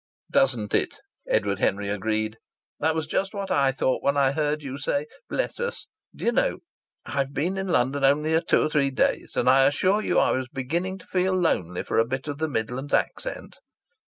"Doesn't it!" Edward Henry agreed. "That was just what I thought when I heard you say 'Bless us!' Do you know, I've been in London only a two three days, and I assure you I was beginning to feel lonely for a bit of the Midland accent!"